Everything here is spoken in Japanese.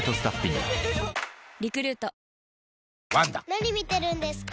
⁉・何見てるんですか？